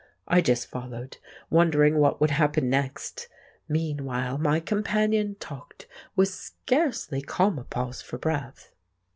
I just followed, wondering what would happen next! Meanwhile my companion talked, with scarcely comma pause for breath.